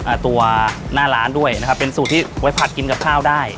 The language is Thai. อ่าตัวหน้าร้านด้วยนะครับเป็นสูตรที่ไว้ผัดกินกับข้าวได้